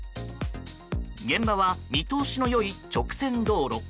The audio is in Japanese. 現場は見通しの良い直線道路。